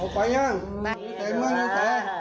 ไปแล้ว